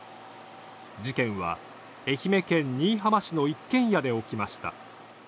事件は愛媛県新居浜市の一軒家で起きました。